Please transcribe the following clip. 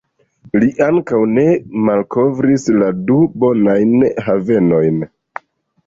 Li ankaŭ ne malkovris la du bonajn havenojn.